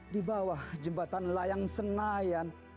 di bawah jembatan layang senayan